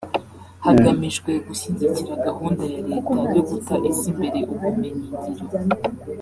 hagamijwe gushyigikira gahunda ya Leta yo guta izimbere ubumenyi-ngiro